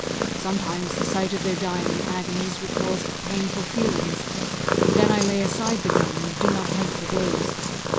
Sometimes the sight of their dying agonies recalls painful feelings; and then I lay aside the gun, and do not hunt for days.